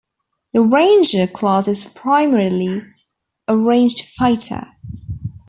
The ranger class is primarily a ranged fighter.